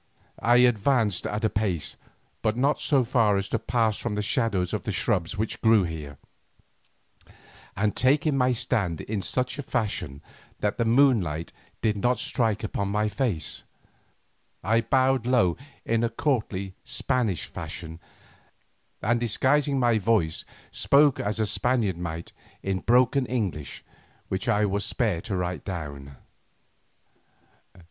I advanced a pace, but not so far as to pass from the shadow of the shrubs which grow here, and taking my stand in such a fashion that the moonlight did not strike upon my face, I bowed low in the courtly Spanish fashion, and disguising my voice spoke as a Spaniard might in broken English which I will spare to write down.